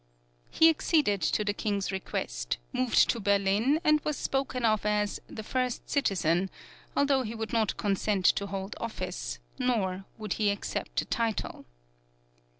He acceded to the King's request, moved to Berlin and was spoken of as "The First Citizen," although he would not consent to hold office, nor would he accept a title.